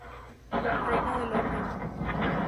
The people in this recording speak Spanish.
Reino del Orden.